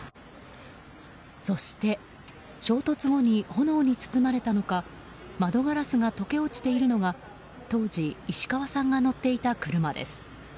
そして衝突後に炎に包まれたのか窓ガラスが溶け落ちているのが当時石川さんが乗っていた車です。